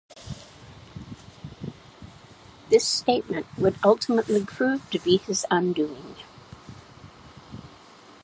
This statement would ultimately prove to be his undoing.